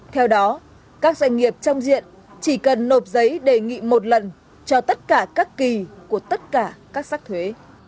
theo đó các doanh nghiệp trong diện chỉ cần nộp giấy đề nghị một lần cho tất cả các kỳ của tất cả các sắc thuế